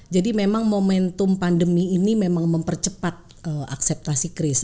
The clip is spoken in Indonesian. jadi memang momentum pandemi ini memang mempercepat akseptasi kris